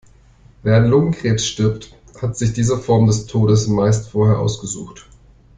Wer an Lungenkrebs stirbt, hat sich diese Form des Todes meistens vorher ausgesucht.